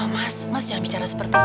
mas mas yang bicara seperti itu